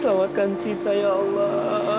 selamatkan sita ya allah